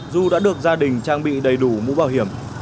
dù đã được gia đình trang bị đầy đủ mũ bảo hiểm